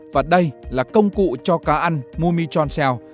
và đây là công cụ cho cá ăn mumichon shell